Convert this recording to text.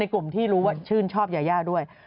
กลุ่มที่รู้ว่าชื่นชอบยายาด้วย